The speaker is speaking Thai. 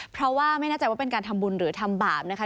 เพราะว่าไม่แน่ใจว่าเป็นการทำบุญหรือทำบาปนะคะ